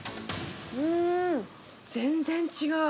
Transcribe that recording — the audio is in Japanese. うーん、全然違う。